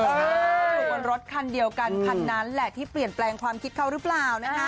เขาอยู่บนรถคันเดียวกันคันนั้นแหละที่เปลี่ยนแปลงความคิดเขาหรือเปล่านะคะ